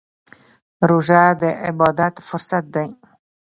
روژه د عبادت فرصت دی.